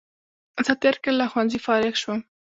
زه تېر کال له ښوونځي فارغ شوم